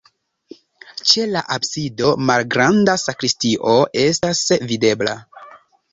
Ĉe la absido malgranda sakristio estas videbla.